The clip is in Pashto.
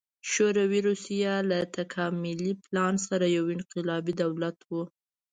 شوروي روسیه له تکاملي پلان سره یو انقلابي دولت و